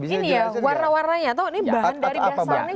ini ya warna warnanya tuh ini bahan dari biasa